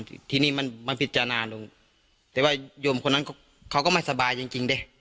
ที่ที่นี่มันมันผิดจานานลงแต่ว่ายุ่มคนนั้นเขาเขาก็ไม่สบายจริงจริงได้